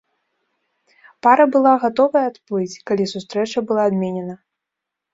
Пара была гатовая адплыць, калі сустрэча была адменена.